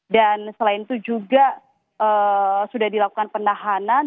dan selain itu juga sudah dilakukan penahanan